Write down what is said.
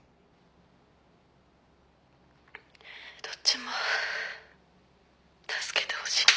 どっちも助けてほしい。